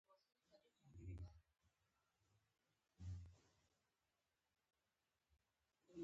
په ټيټ غږ يې وويل سبا پاس پښتې کې کار کوو.